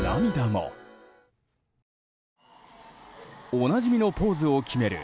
おなじみのポーズを決める